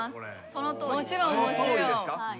そのとおりです。